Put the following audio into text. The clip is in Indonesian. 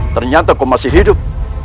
ternyata kau masih hidup